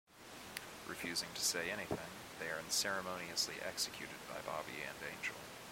Refusing to say anything, they are unceremoniously executed by Bobby and Angel.